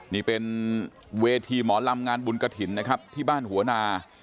นี่เป็นเวทีหมอลำงานบุญกระถิ่นนะครับที่บ้านหัวนา